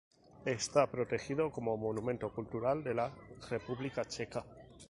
Está protegido como monumento cultural de la República Checa.